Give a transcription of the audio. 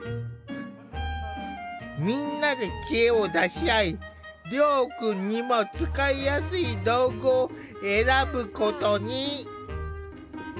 みんなで知恵を出し合い遼くんにも使いやすい道具を選ぶことに。